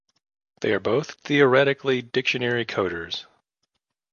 They are both theoretically dictionary coders.